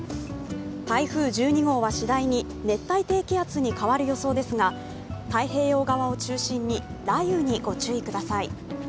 台風１２号はしだいに熱帯低気圧に変わる予想ですが太平洋側を中心に雷雨にご注意ください。